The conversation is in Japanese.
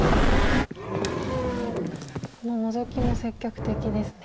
このノゾキも積極的ですね。